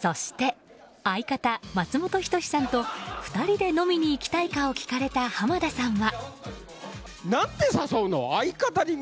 そして、相方・松本人志さんと２人で飲みに行きたいかを聞かれた浜田さんは。